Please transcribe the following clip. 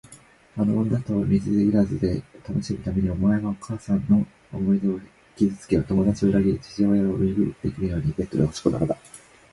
あの女と水入らずで楽しむために、お前はお母さんの思い出を傷つけ、友だちを裏切り、父親を身動きできぬようにベッドへ押しこんだのだ。